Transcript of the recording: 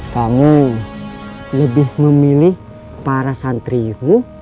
kamu lebih memilih para santriku